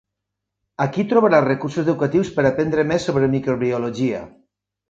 Aquí trobaràs recursos educatius per aprendre més sobre microbiologia.